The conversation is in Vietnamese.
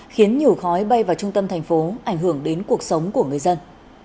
khiến nhiều khói bay vào trung tâm thành phố ảnh hưởng đến cuộc sống của người dân